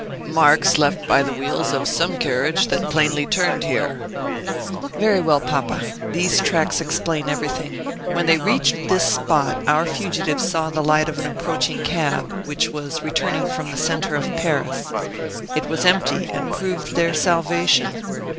"Marks left by the wheels of some carriage that plainly turned here." "Very well, papa, these tracks explain everything. When they reached this spot, our fugitives saw the light of an approaching cab, which was returning from the centre of Paris. It was empty, and proved their salvation.